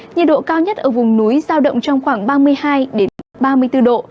nhiệt độ cao nhất ở vùng núi giao động trong khoảng ba mươi hai ba mươi bốn độ